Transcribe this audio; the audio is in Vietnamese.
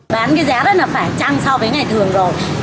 bán cái giá rất là phải trăng so với ngày thường rồi